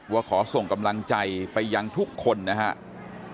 ว่าขอส่งกำลังใจไปยังทุกคนนะครับ